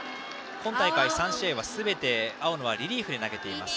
今大会３試合はすべて青野はリリーフで投げています。